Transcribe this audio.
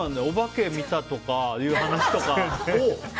お化け見たとかいう話とか。